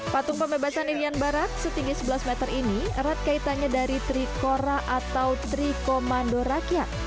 patung pembebasan irian barat setinggi sebelas meter ini erat kaitannya dari trikora atau trikomando rakyat